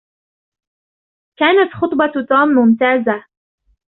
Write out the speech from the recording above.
كانت خطبة توم ممتازة.